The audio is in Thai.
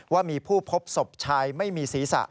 ว่ามีผู้พบศพชายไม่มีศีรษะ